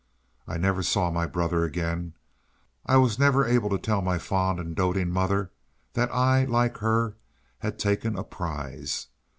I never saw my brother again. I was never able to tell my fond and doting mother that I, like her, had taken a prize.